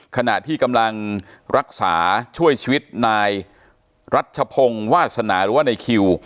ขณะที่กำลังรักษาช่วยชีวิตนายรัชพงศ์วาสนาหรือว่าในคิว